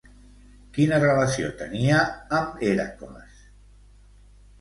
Quina relació tenia amb Hèracles?